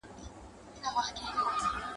د سپینو ژړو او د سرو ګلونو !.